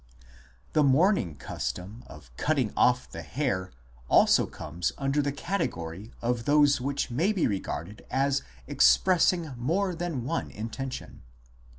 The mourning custom of cutting off the hair also comes under the category of those which may be regarded as expressing more than one intention.